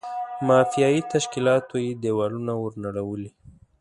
مافیایي تشکیلاتو یې دېوالونه ور نړولي.